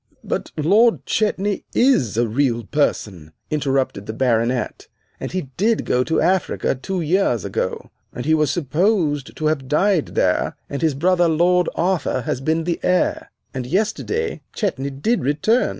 "But Lord Chetney is a real person," interrupted the Baronet, "and he did go to Africa two years ago, and he was supposed to have died there, and his brother, Lord Arthur, has been the heir. And yesterday Chetney did return.